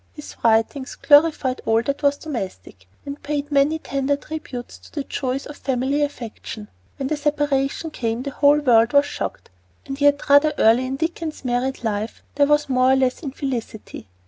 His writings glorified all that was domestic, and paid many tender tributes to the joys of family affection. When the separation came the whole world was shocked. And yet rather early in Dickens's married life there was more or less infelicity.